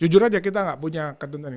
jujur aja kita nggak punya ketentuan ini